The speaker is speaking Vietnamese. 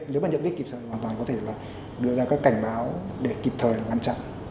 nếu mà nhận biết kịp thời hoàn toàn có thể là đưa ra các cảnh báo để kịp thời ngăn chặn